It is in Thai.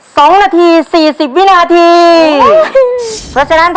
สองนาทีสี่สิบวินาทีอุ้วลุง